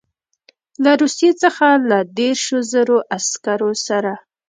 له روسیې څخه له دېرشو زرو عسکرو سره.